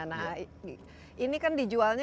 nah ini kan dijualnya